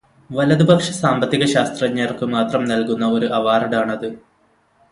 വലതുപക്ഷ സാമ്പത്തികശാസ്ത്രജ്ഞർക്കുമാത്രം നൽകുന്ന ഒരു അവാർഡാണത്.